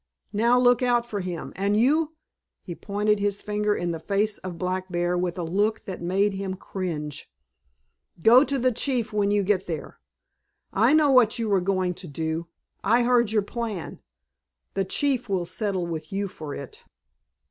Now look out for him. And you"—he pointed his finger in the face of Black Bear with a look that made him cringe, "go to the chief when you get there. I know what you were going to do. I heard your plan. The chief will settle with you for it."